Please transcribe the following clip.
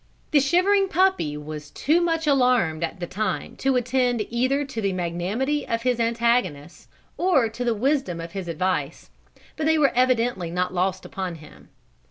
The shivering puppy was too much alarmed at the time to attend either to the magnanimity of his antagonist or the wisdom of his advice, but they were evidently not lost upon him.